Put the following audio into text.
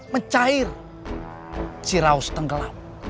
mencair ciraus tenggelam